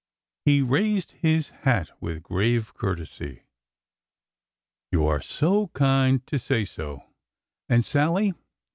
He raised his hat with grave courtesy. ''You are kind to say so. And Sallie